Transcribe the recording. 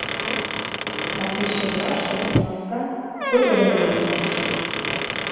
— А пич чодыраште маска пытыдымын улмаш.